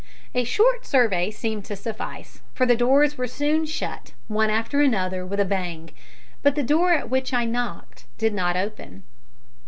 A short survey seemed to suffice, for the doors were soon shut, one after another, with a bang, but the door at which I knocked did not open.